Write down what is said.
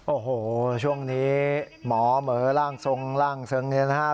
โอ้โหช่วงนี้หมอเหมือร่างทรงร่างทรงเนี่ยนะฮะ